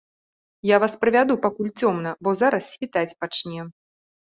Я вас правяду, пакуль цёмна, бо зараз світаць пачне.